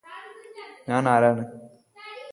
ഞാനാരാണ്